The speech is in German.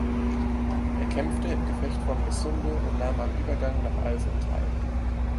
Er kämpfte im Gefecht von Missunde und nahm am Übergang nach Alsen teil.